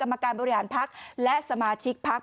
กรรมการบริหารภักดิ์และสมาชิกภักดิ์